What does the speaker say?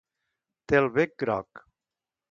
Té el bec groc.